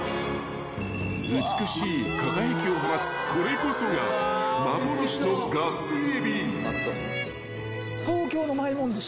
［美しい輝きを放つこれこそが幻の］え？